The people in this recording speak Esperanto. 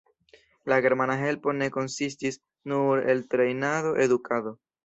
La germana helpo ne konsistis nur el trejnado, edukado.